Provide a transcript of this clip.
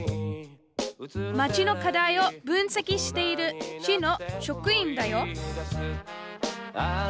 町の課題を分析している市の職員だよ